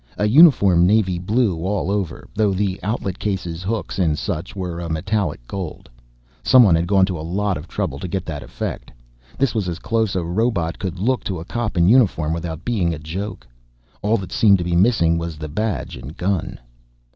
A uniform navy blue all over, though the outlet cases, hooks and such were a metallic gold. Someone had gone to a lot of trouble to get that effect. This was as close as a robot could look to a cop in uniform, without being a joke. All that seemed to be missing was the badge and gun.